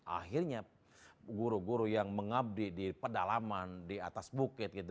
akhirnya guru guru yang mengabdi di pedalaman di atas bukit gitu